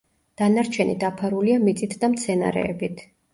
დანარჩენი დაფარულია მიწით და მცენარეებით.